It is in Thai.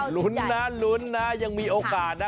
ลุ้นนะลุ้นนะยังมีโอกาสนะ